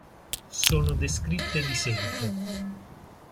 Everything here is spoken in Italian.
Sono descritte di seguito.